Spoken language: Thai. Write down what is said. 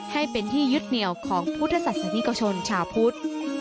ให้เป็นที่ยึดเหนียวของพุทธศาสนิกชนชาวพุทธ